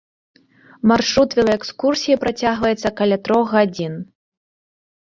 Маршрут велаэкскурсіі працягваецца каля трох гадзін.